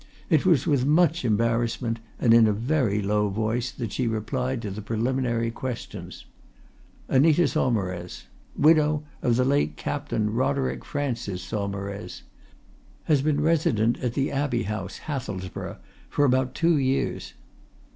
It was with much embarrassment and in a very low voice that she replied to the preliminary questions. Anita Saumarez. Widow of the late Captain Roderick Francis Saumarez. Has been resident at the Abbey House, Hathelsborough, for about two years.